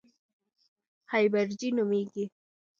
هایپرجي نومېږي.